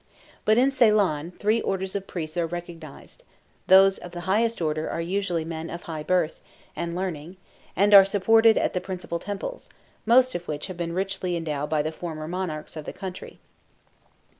But in Ceylon three orders of priests are recognized; those of the highest order are usually men of high birth and learning, and are supported at the principal temples, most of which have been richly endowed by the former monarchs of the country.